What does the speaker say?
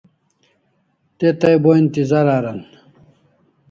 Te tai bo intizar aran